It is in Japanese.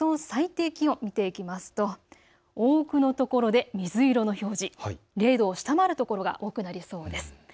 最低気温を見ていくと多くの所で水色の表示、０度を下回る所が多くなりそうです。